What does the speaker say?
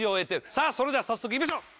さぁそれでは早速行きましょう！